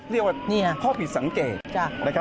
เรียกว่าข้อผิดสังเกต